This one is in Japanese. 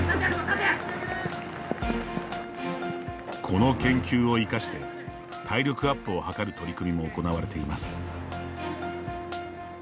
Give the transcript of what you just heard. この研究を生かして体力アップを図る取り組みも行われています。